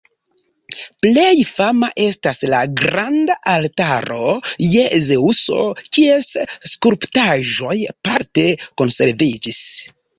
Plej fama estas la granda Altaro je Zeŭso, kies skulptaĵoj parte konserviĝis.